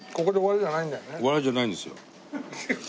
終わりじゃないんですよ。